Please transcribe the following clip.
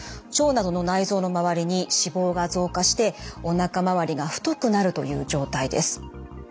腸などの内臓の周りに脂肪が増加しておなか回りが太くなるという状態です。